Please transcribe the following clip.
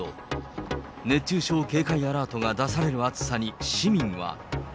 熱中症警戒アラートが出される暑さに市民は。